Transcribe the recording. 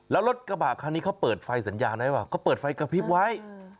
แล้วรถกระบะคันนี้เขาเปิดไฟสัญญาณหรือเปล่าเขาเปิดไฟกระพริบไว้